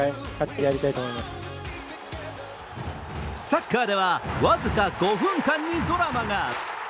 サッカーでは僅か５分間にドラマが！